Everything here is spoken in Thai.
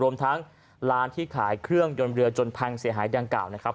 รวมทั้งร้านที่ขายเครื่องยนต์เรือจนพังเสียหายดังกล่าวนะครับ